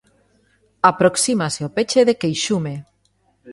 Aproxímase o peche de Queixume.